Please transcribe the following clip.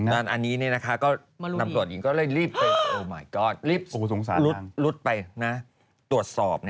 อันนี้ก็ตำรวจหญิงก็เลยรีบไปรุดไปตรวจสอบ